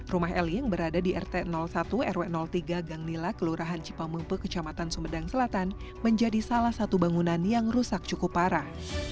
rumah eli yang berada di rt satu rw tiga ganglila kelurahan cipamumpe kecamatan sumedang selatan menjadi salah satu bangunan yang rusak cukup parah